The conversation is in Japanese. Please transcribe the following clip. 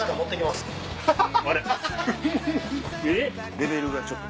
レベルがちょっと。